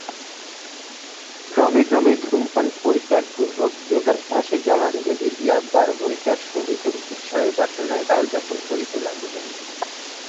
ক্রমে ক্রমে ধূমপান পরিত্যাগপূর্বক যোগাভ্যাসে জলাঞ্জলি দিয়া বারবনিতার সহিত বিষয়বাসনায় কালযাপন করিতে লাগিলেন।